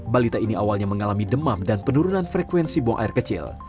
balita ini awalnya mengalami demam dan penurunan frekuensi buang air kecil